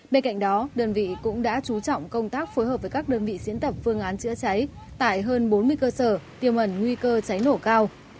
bên cạnh đó đơn vị cũng đã chú trọng công tác phối hợp với các đơn vị diễn tập phương án chữa cháy tại hơn bốn mươi cơ sở tiêm ẩn nguy cơ cháy nổ cao